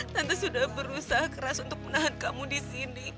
tentu sudah berusaha keras untuk menahan kamu di sini